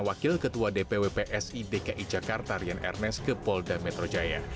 wakil ketua dpw psi dki jakarta rian ernest ke polda metro jaya